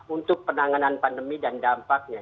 untuk penanganan pandemi dan dampaknya